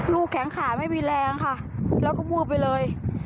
แข็งขาไม่มีแรงค่ะแล้วก็วูบไปเลย